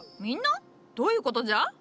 みんな？どういうことじゃ？